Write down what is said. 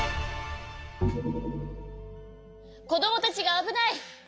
こどもたちがあぶない！